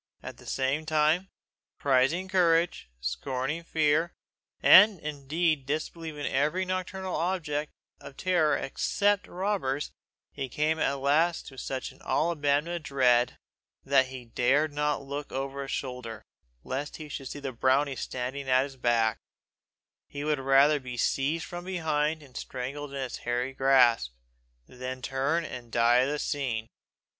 At the same time, prizing courage, scorning fear, and indeed disbelieving in every nocturnal object of terror except robbers, he came at last to such an all but abandonment of dread, that he dared not look over his shoulder, lest he should see the brownie standing at his back; he would rather be seized from behind and strangled in his hairy grasp, than turn and die of the seeing.